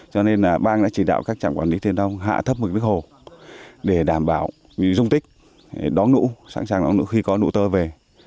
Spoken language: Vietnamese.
cho nên là bang đã chỉ đạo các trạm quản lý thiên đông hạ thấp một cái hồ để đảm bảo dung tích đón lũ sẵn sàng đón lũ khi có lũ tơ về